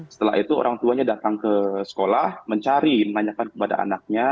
setelah itu orang tuanya datang ke sekolah mencari menanyakan kepada anaknya